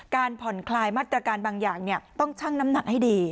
การผ่อนคลายมาตรการบางอย่างต้องชั่งน้ำหนักให้ดี